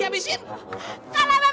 ambil sayuran kita di abisin